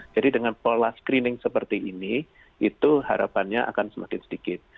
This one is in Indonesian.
jadi dengan pola screening seperti ini itu harapannya akan semakin sedikit